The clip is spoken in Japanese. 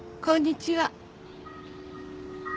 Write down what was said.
こんちは。